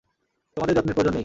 তোমাদের যত্নের প্রয়োজন নেই।